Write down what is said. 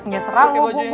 ya serah lu